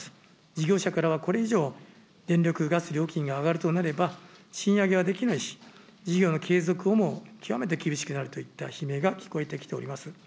事業者からはこれ以上、電力、ガス料金が上がるとなれば、賃上げはできないし、事業の継続をも極めて厳しくなるといった悲鳴が聞こえてきております。